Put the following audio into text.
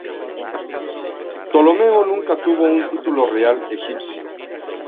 Ptolomeo nunca tuvo un título real egipcio.